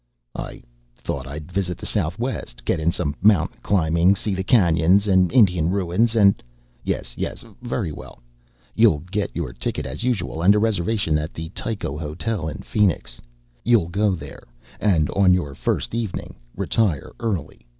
"I thought I'd visit the Southwest. Get in some mountain climbing, see the canyons and Indian ruins and " "Yes, yes. Very well. You'll get your ticket as usual and a reservation at the Tycho Hotel in Phoenix. You'll go there and, on your first evening, retire early.